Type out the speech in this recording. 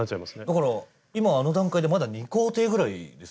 だから今あの段階でまだ２工程ぐらいですよね。